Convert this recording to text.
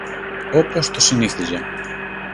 όπως το συνήθιζε